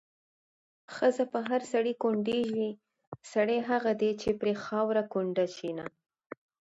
ښځه په هر سړي کونډېږي، سړی هغه دی چې پرې خاوره کونډه شېنه